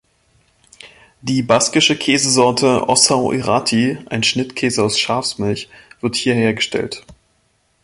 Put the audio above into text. Die baskische Käsesorte Ossau-Iraty, ein Schnittkäse aus Schafsmilch, wird hier hergestellt.